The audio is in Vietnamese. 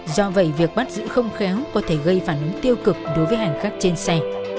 do vậy việc bắt giữ không khéo có thể gây phản ứng tiêu cực đối với hành khách trên xe